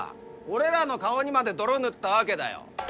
俺らの顔にまで泥塗ったわけだよ。